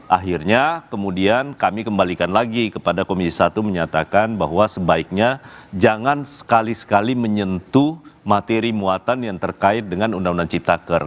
akhirnya kemudian kami kembalikan lagi kepada komisi satu menyatakan bahwa sebaiknya jangan sekali sekali menyentuh materi muatan yang terkait dengan undang undang ciptaker